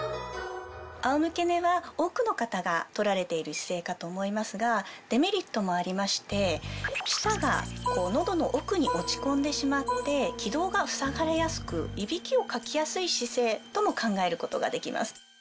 仰向け寝は多くの方が取られている姿勢かと思いますがデメリットもありまして舌が喉の奥に落ち込んでしまって気道が塞がれやすくイビキをかきやすい姿勢とも考えることができます。